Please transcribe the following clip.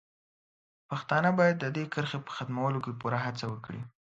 پښتانه باید د دې کرښې په ختمولو کې پوره هڅه وکړي.